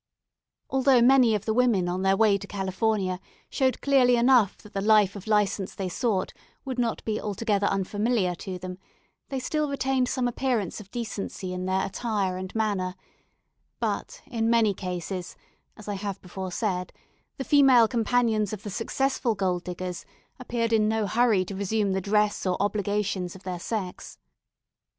Although many of the women on their way to California showed clearly enough that the life of licence they sought would not be altogether unfamiliar to them, they still retained some appearance of decency in their attire and manner; but in many cases (as I have before said) the female companions of the successful gold diggers appeared in no hurry to resume the dress or obligations of their sex.